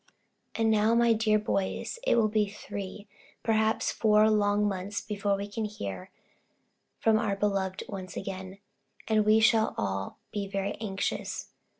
And now, my dear boys, it will be three, perhaps four long months before we can hear from our beloved one again, and we shall all be very anxious.